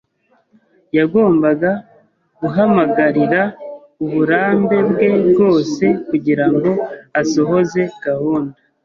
Yagombaga guhamagarira uburambe bwe bwose kugirango asohoze gahunda.